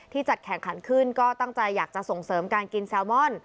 จัดแข่งขันขึ้นก็ตั้งใจอยากจะส่งเสริมการกินแซลมอน